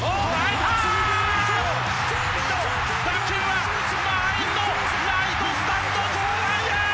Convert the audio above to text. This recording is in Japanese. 打球は満員のライトスタンド特大弾！